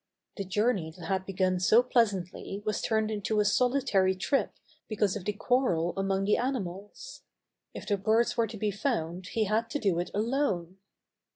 The journey that had begun so pleasantly was turned into a solitary trip because of the quarrel among the animals. If the birds were to be found he had to do it alone.